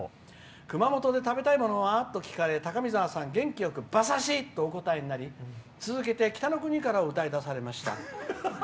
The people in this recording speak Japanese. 熊本で食べたいものはと聞かれ高見沢さん、元気よく馬刺しとお答え続いて「北の国から」を歌い出されました。